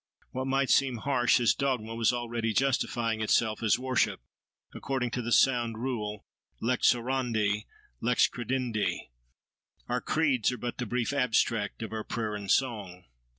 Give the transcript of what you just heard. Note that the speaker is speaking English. What might seem harsh as dogma was already justifying itself as worship; according to the sound rule: Lex orandi, lex credendi—Our Creeds are but the brief abstract of our prayer and song.